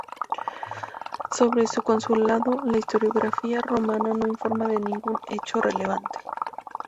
Sobre su consulado, la historiografía romana no informa de ningún hecho relevante.